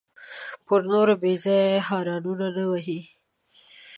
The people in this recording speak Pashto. پر نورو به بېځایه هارنونه نه وهې.